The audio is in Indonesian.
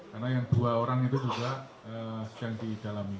karena yang dua orang itu juga yang didalami